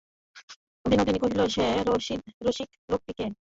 বিনোদিনী কহিল, সে রসিক লোকটি কে।